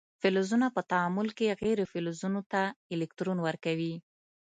فلزونه په تعامل کې غیر فلزونو ته الکترون ورکوي.